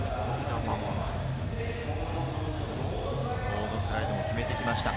ボードスライドも決めてきました。